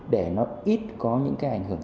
để nó ít có những cái ảnh hưởng